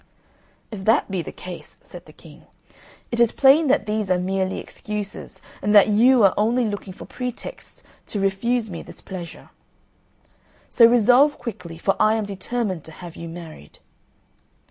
"If that be the case," said the King, "it is plain that these are merely excuses, and that you are only looking for pretexts to refuse me this pleasure. So resolve quickly, for I am determined to have you married."